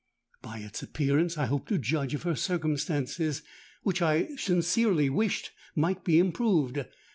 By its appearance I hoped to judge of her circumstances, which I sincerely wished might be improved.